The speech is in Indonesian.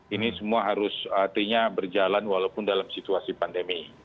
ini semua harus artinya berjalan walaupun dalam situasi pandemi